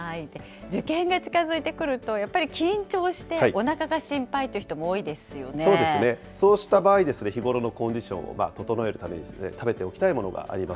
受験が近づいてくると、やっぱり緊張して、おなかが心配といそうした場合、日頃のコンディションを整えるために食べておきたいものがあります。